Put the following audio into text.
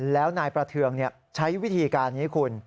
แล้วนายประเทืองใช้วิธีการนี้คุณ